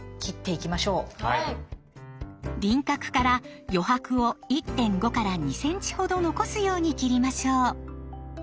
輪郭から余白を１．５２ｃｍほど残すように切りましょう。